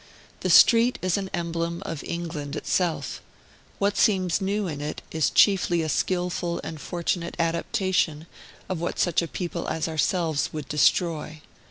The street is an emblem of England itself. What seems new in it is chiefly a skilful and fortunate adaptation of what such a people as ourselves would destroy.